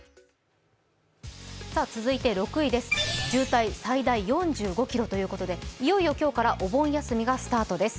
続いて６位、渋滞最大４５ｋｍということで、いよいよ今日からお盆休みがスタートです。